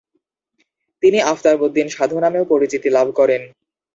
তিনি 'আফতাবউদ্দিন সাধু' নামেও পরিচিতি লাভ করেন।